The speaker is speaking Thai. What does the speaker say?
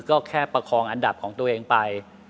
ก็แค่ประคองอันดับของตัวเองไป